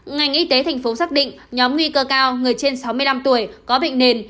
ngành y tế tp xác định nhóm nguy cơ cao người trên sáu mươi năm tuổi có bệnh nền